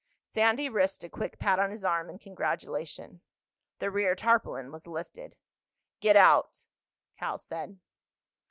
Sandy risked a quick pat on his arm in congratulation. The rear tarpaulin was lifted. "Get out," Cal said.